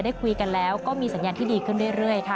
ได้คุยกันแล้วก็มีสัญญาณที่ดีขึ้นเรื่อยค่ะ